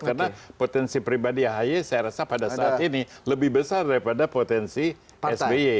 karena potensi pribadi ahyi saya rasa pada saat ini lebih besar daripada potensi sbi